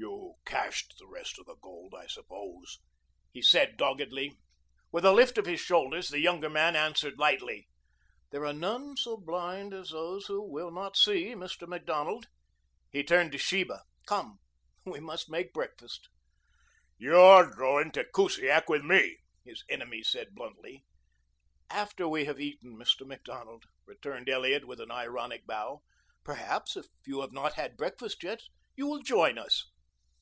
"You cached the rest of the gold, I suppose," he said doggedly. With a lift of his shoulders the younger man answered lightly. "There are none so blind as those who will not see, Mr. Macdonald." He turned to Sheba. "Come. We must make breakfast." "You're going to Kusiak with me," his enemy said bluntly. "After we have eaten, Mr. Macdonald," returned Elliot with an ironic bow. "Perhaps, if you have not had breakfast yet, you will join us."